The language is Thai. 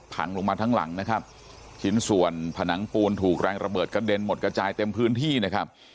พังลงมาทั้งหลังนะครับชิ้นส่วนผนังปูนถูกแรงระเบิดกระเด็นหมดกระจายเต็มพื้นที่นะครับ